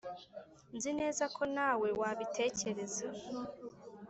nzi neza ko nawe wabitekereza.